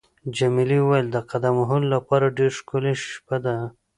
جميلې وويل: د قدم وهلو لپاره ډېره ښکلې شپه ده.